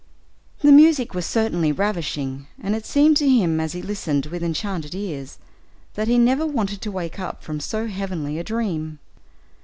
The music was certainly ravishing, and it seemed to him, as he listened with enchanted ears, that he never wanted to wake up from so heavenly a dream.